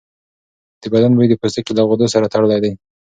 د بدن بوی د پوستکي له غدو سره تړلی دی.